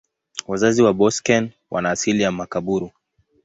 Wazazi wa Boeseken wana asili ya Makaburu.